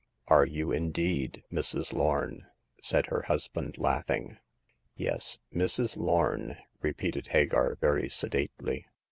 Are you indeed, Mrs. Lorn? said her hus band, laughing. Yes, Mrs. Lorn,*' repeated Hagar, very se dately.